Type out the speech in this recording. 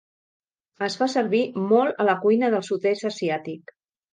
Es fa servir molt a la cuina del sud-est asiàtic.